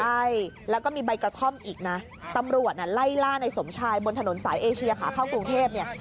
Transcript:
ใช่แล้วก็มีใบกระท่อมอีกนะตำรวจไล่ล่าในสมชายบนถนนสายเอเชียขาเข้ากรุงเทพเนี่ย